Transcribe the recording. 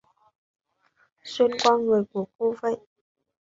Xuyên qua người của cô vậy